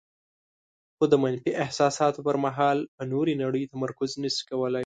خو د منفي احساساتو پر مهال په نورې نړۍ تمرکز نشي کولای.